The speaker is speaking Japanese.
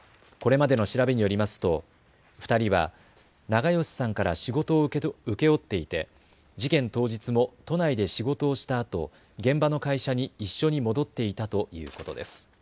これまでの調べによりますと２人は長葭さんから仕事を請け負っていて、事件当日も都内で仕事をしたあと現場の会社に一緒に戻っていたということです。